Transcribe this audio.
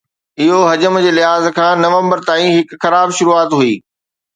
اهو حجم جي لحاظ کان نومبر تائين هڪ خراب شروعات هئي